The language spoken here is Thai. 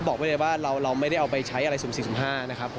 บอกว่าเราไม่ได้เอาไปคำถามอะไรศูนย์๐๔๕นะครับ